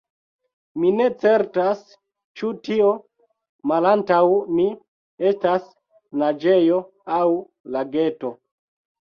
Mi ne certas ĉu tio, malantaŭ mi, estas naĝejo aŭ lageto.